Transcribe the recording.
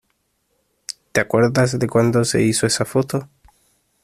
¿ te acuerdas de cuando se hizo esa foto?